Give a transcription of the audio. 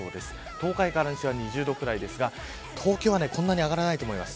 東海から西は２０度ぐらいですが東京はこんなに上がらないと思います。